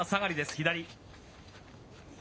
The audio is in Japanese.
左。